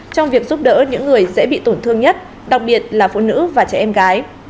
trong việc giúp đỡ những người dễ bị tổn thương nhất đặc biệt là phụ nữ và trẻ em gái